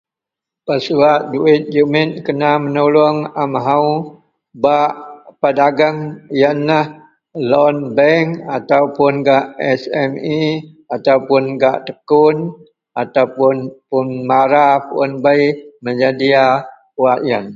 pesuwak duwit jumit kena menulung amahou bak pedagang ienlah loan bank ataupun gak SME atau pun gak tekun ataupun pun mara pun bei menyedia wak ien.